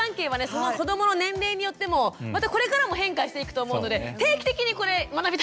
その子どもの年齢によってもまたこれからも変化していくと思うので定期的にこれ学びたいですね。